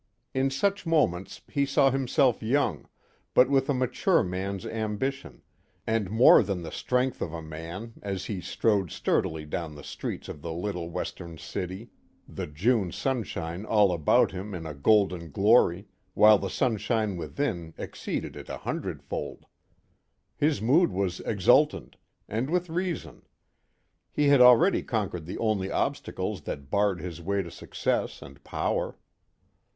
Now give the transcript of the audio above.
In such moments, he saw himself young, but with a mature man's ambition, and more than the strength of a man, as he strode sturdily down the streets of the little Western city, the June sunshine all about him in a golden glory, while the sunshine within exceeded it a hundredfold. His mood was exultant, and with reason. He had already conquered the only obstacles that barred his way to success and power.